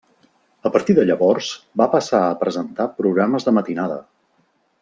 A partir de llavors, va passar a presentar programes de matinada.